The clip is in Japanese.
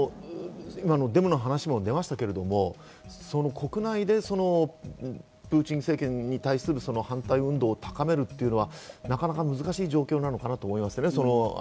デモの話も出ましたけど、国内でプーチン政権に対する反対運動を高めるというのはなかなか難しい状況なのかなと思いますね。